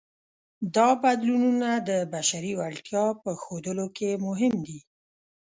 دا بدلونونه د بشري وړتیا په ښودلو کې مهم دي.